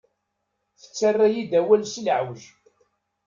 Yettarra-yi-d awal s leɛweǧ.